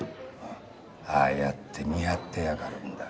ああやって見張ってやがるんだ。